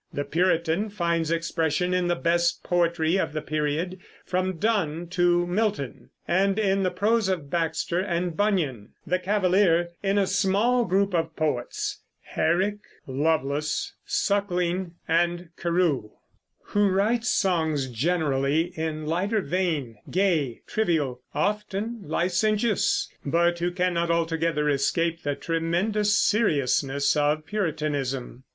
The Puritan finds expression in the best poetry of the period, from Donne to Milton, and in the prose of Baxter and Bunyan; the Cavalier in a small group of poets, Herrick, Lovelace, Suckling, and Carew, who write songs generally in lighter vein, gay, trivial, often licentious, but who cannot altogether escape the tremendous seriousness of Puritanism.